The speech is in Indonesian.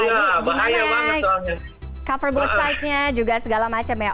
gimana cover website nya juga segala macem ya